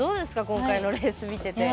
今回のレース見てて。